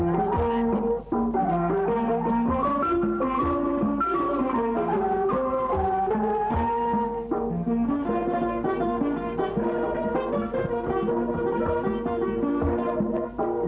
มัน